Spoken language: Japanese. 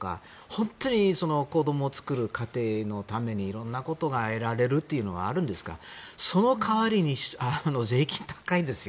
本当に子どもを作る家庭のために色んなことが得られるというのがあるんですがその代わりに税金が高いんです。